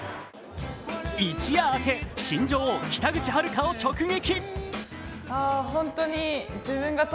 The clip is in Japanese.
一夜明け、新女王・北口榛花を直撃。